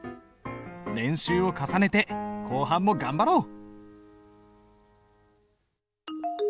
練習を重ねて後半も頑張ろう。